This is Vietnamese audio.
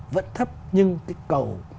vẫn thấp nhưng cái cầu